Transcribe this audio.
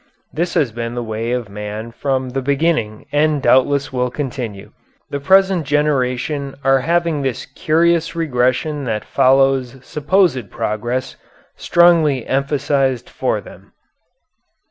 This has been the way of man from the beginning and doubtless will continue. The present generation are having this curious regression that follows supposed progress strongly emphasized for them.